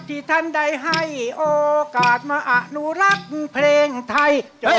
ที่ท่านได้ให้โอกาสมาอนุรักษ์เพลงไทย